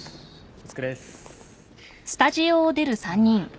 お疲れっす。